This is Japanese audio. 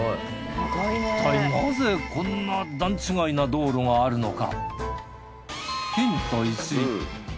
いったいなぜこんな段違いな道路があるのか？